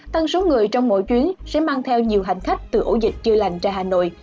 tân số người trong mỗi chuyến sẽ mang theo nhiều hành khách từ ổ dịch chưa lành ra hà nội